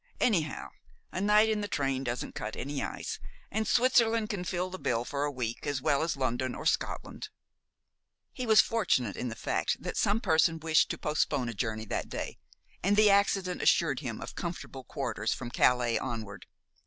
Anyhow, a night in the train doesn't cut any ice, and Switzerland can fill the bill for a week as well as London or Scotland." He was fortunate in the fact that some person wished to postpone a journey that day, and the accident assured him of comfortable quarters from Calais onward.